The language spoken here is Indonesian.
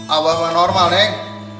abah mah normal neng